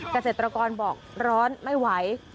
เกษตรกรบอกร้อนไม่ไหว